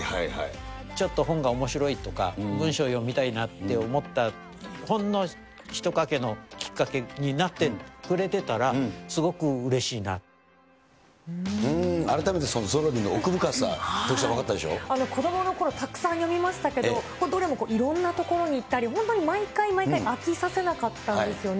ちょっと本がおもしろいとか、文章読みたいなって思ったほんのひとかけのきっかけになってくれ改めてゾロリの奥深さ、子どものころ、たくさん読みましたけれども、どれもいろんな所に行ったり、本当に毎回毎回飽きさせなかったんですよね。